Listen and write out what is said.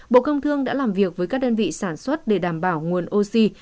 bộ công thương đã làm việc với các đơn vị sản xuất để đảm bảo nguồn oxy